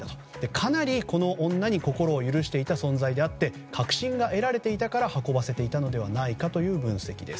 かなりこの女に心を許していた存在であって確信が得られていたから運ばせていたのではないかという分析です。